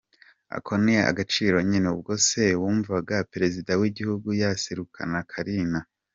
ako n’agaciro nyine… ubwo se wumvaga perezida w’Igihugu yaserukana carina??